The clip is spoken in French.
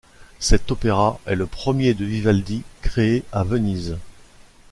Cet opéra est le premier de Vivaldi créé à Venise.